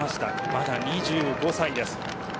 まだ２５歳です。